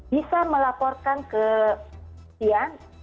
bisa melaporkan ke pembuktian